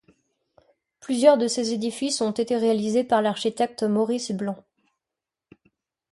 Plusieurs de ces édifices ont été réalisés par l'architecte Maurice Blanc.